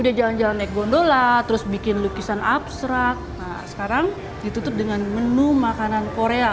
dia jalan jalan naik gondola terus bikin lukisan abstrak nah sekarang ditutup dengan menu makanan korea